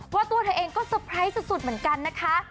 ว่าตัวเธอเองก็สเปรย์ไพรสุดเหมือนกันนะคะ